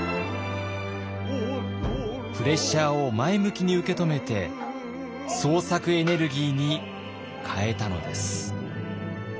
プレッシャーを前向きに受け止めて創作エネルギーに変えたのです。